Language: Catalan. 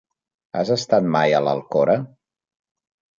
Has estat mai a l'Alcora?